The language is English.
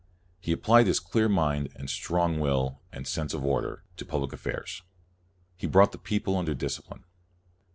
He applied his clear mind, and strong will, and sense of order, to public affairs. He brought the people under dis cipline.